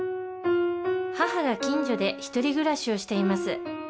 母が近所で独り暮らしをしています。